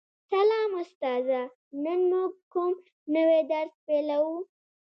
سلام استاده نن موږ کوم نوی درس پیلوو